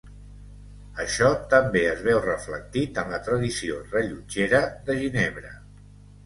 Això també es veu reflectit en la tradició rellotgera de Ginebra.